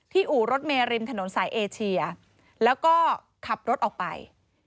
อู่รถเมริมถนนสายเอเชียแล้วก็ขับรถออกไป